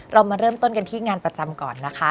เรามาเริ่มต้นกันที่งานประจำก่อนนะคะ